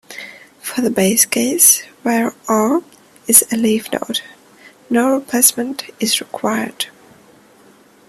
For the base case where R is a leaf node, no replacement is required.